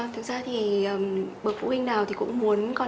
thực ra thì bậc phụ huynh nào thì cũng muốn con